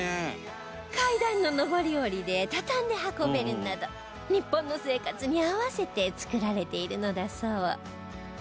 階段の上り下りで畳んで運べるなど日本の生活に合わせて作られているのだそう